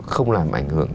không làm ảnh hưởng